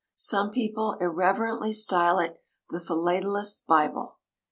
Some people irreverently style it "the Philatelist's Bible."